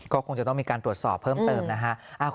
ก็คงจะต้องมีการตรวจสอบเพิ่มเติมนะฮะ